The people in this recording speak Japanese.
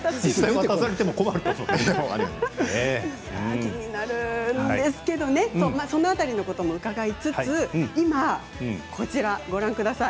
気になりますけれどその辺りのことも伺いつつ今、こちらご覧ください。